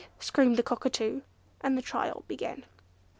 screamed the Cockatoo, and the trial began.